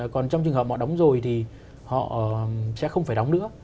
còn trong trường hợp họ đóng rồi thì họ sẽ không phải đóng nữa